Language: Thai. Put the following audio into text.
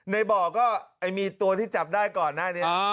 ในบ่อก็มีตัวที่จับได้ก่อนหน้านี้